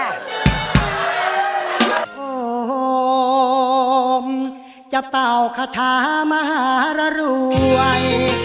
ผมจะเป่าคาถามหารรวย